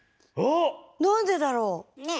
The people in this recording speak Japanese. なんでだろう⁉ねえ。